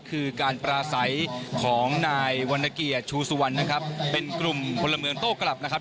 คือการปราศัยของนายวรรณเกียรติชูสุวรรณนะครับเป็นกลุ่มพลเมืองโต้กลับนะครับ